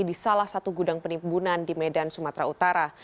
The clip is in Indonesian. di salah satu gudang penimbunan di medan sumatera utara